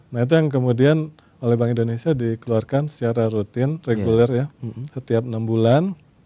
nah itu yang kemudian oleh bank indonesia dikeluarkan secara rutin reguler ya setiap enam bulan